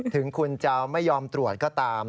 ถึงคุณจะไม่ยอมตรวจก็ตาม